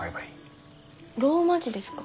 ローマ字ですか？